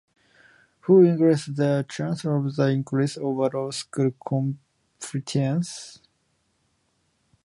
Who increased their chance of increasing overall school competence?